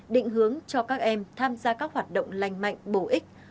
định hướng cho các em tham gia các hoạt động lành mạnh bổ ích